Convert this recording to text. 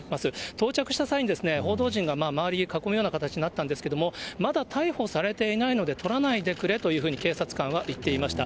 到着した際に、報道陣が周りを囲むような形になったんですけれども、まだ逮捕されていないので、撮らないでくれというふうに警察官は言っていました。